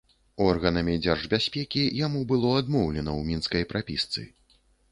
Органамі дзяржбяспекі яму было адмоўлена ў мінскай прапісцы.